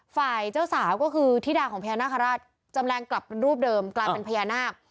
ฝ่ายเจ้าสาวก็คือธิดาของพญานาคาราชจำแรงกลับเป็นรูปเดิมกลายเป็นพญานาค